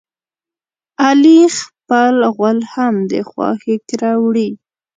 علي خپل غول هم د خواښې کره وړي.